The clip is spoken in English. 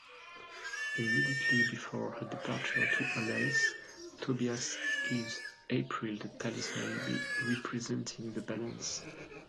Immediately before her departure to Alais, Tobias gives April the Talisman representing the Balance.